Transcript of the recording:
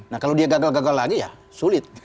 nah kalau dia gagal gagal lagi ya sulit